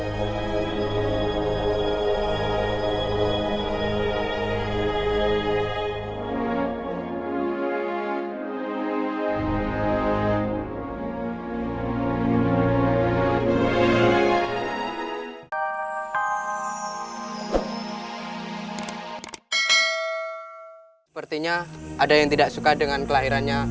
sampai jumpa di video selanjutnya